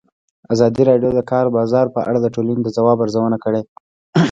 ازادي راډیو د د کار بازار په اړه د ټولنې د ځواب ارزونه کړې.